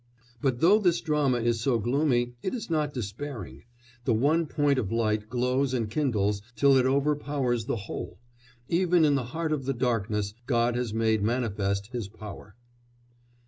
But though this drama is so gloomy it is not despairing; the one point of light glows and kindles till it overpowers the whole; even in the heart of the darkness God has made manifest His power.